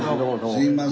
すいません。